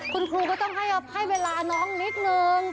คุณครูก็ต้องให้เวลาน้องนิดนึง